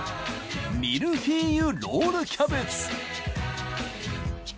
ミルフィーユロールキャベツ